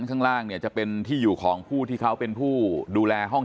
ข้างล่างเนี่ยจะเป็นที่อยู่ของผู้ที่เขาเป็นผู้ดูแลห้อง